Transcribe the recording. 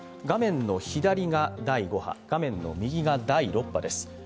画面の左が第５波、画面の右が第６波です。